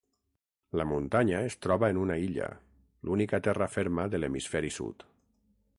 La Muntanya es troba en una illa, l'única terra ferma de l'hemisferi sud.